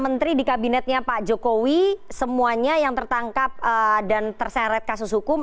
menteri di kabinetnya pak jokowi semuanya yang tertangkap dan terseret kasus hukum